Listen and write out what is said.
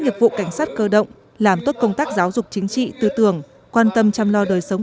nghiệp vụ cảnh sát cơ động làm tốt công tác giáo dục chính trị tư tưởng quan tâm chăm lo đời sống